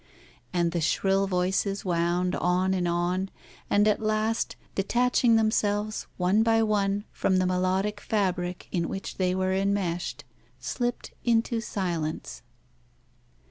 And the shrill voices wound on and on, and, at last, detaching themselves one by one from the melodic fabric in which they were enmeshed, slipped into silence.